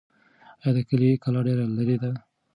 آیا د کلي کلا ډېر لرې ده؟